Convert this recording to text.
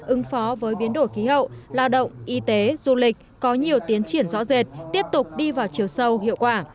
ứng phó với biến đổi khí hậu lao động y tế du lịch có nhiều tiến triển rõ rệt tiếp tục đi vào chiều sâu hiệu quả